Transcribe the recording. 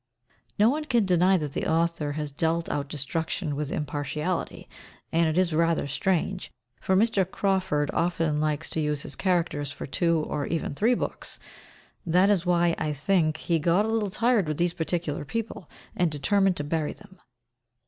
No one can deny that the author has dealt out destruction with impartiality, and it is rather strange, for Mr. Crawford often likes to use his characters for two or even three books; that is why, I think, he got a little tired with these particular people, and determined to bury them.